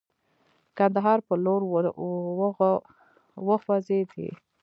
کندهار پر لور وخوځېدی.